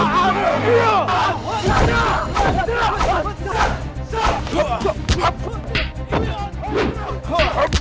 paman tetap hebat